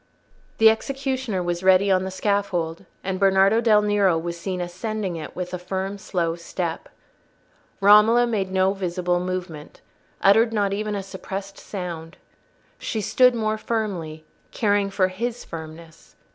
The executioner was ready on the scaffold, and Bernardo del Nero was seen ascending it with a slow firm step. Romola made no visible movement, uttered not even a suppressed sound: she stood more firmly, caring for his firmness.